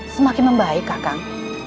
semakin membaik kakang